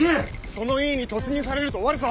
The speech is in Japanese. その家に突入されると終わるぞ！